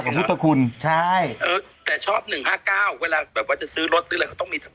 หนุ่มกัญชัยโทรมา